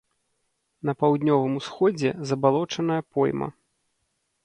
На паўднёвым усходзе забалочаная пойма.